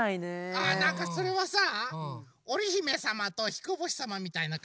あなんかそれはさおりひめさまとひこぼしさまみたいなかんじ？